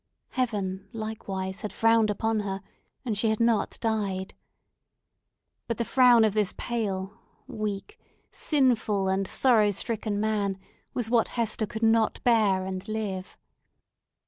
Heaven, likewise, had frowned upon her, and she had not died. But the frown of this pale, weak, sinful, and sorrow stricken man was what Hester could not bear, and live!